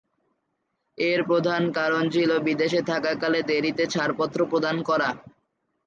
এর প্রধান কারণ ছিল বিদেশে থাকাকালে দেরীতে ছাড়পত্র প্রদান করা।